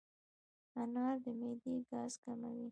انار د معدې ګاز کموي.